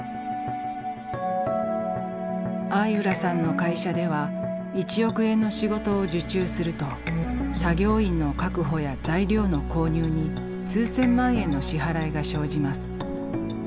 相浦さんの会社では１億円の仕事を受注すると作業員の確保や材料の購入に数千万円の支払いが生じます。